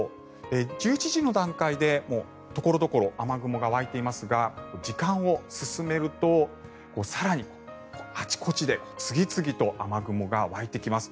１１時の段階で所々、雨雲が湧いていますが時間を進めると更にあちこちで次々と雨雲が湧いてきます。